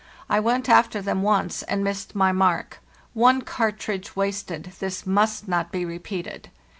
I went after them once and missed my mark. One car tridge wasted; this must not be repeated.